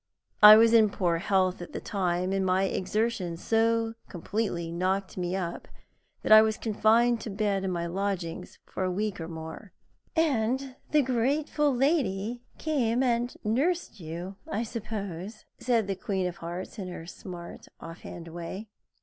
I was in poor health at the time, and my exertions so completely knocked me up that I was confined to bed in my lodgings for a week or more " "And the grateful lady came and nursed you, I suppose," said the Queen of Hearts, in her smart, off hand way.